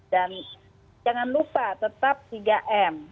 dan jangan lupa tetap tiga m